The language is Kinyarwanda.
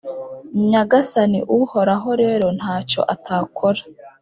Nyagasani Uhoraho rero nta cyo atakora